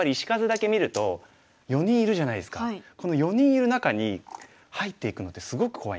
この４人いる中に入っていくのってすごく怖い。